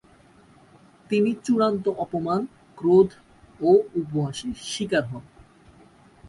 তিনি চূড়ান্ত অপমান, ক্রোধ ও উপহাসের শিকার হন।